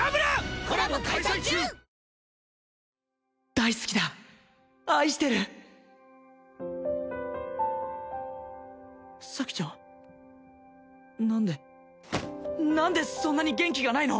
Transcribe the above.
大好きだ愛してる咲ちゃん？何で何でそんなに元気がないの？